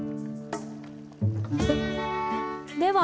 では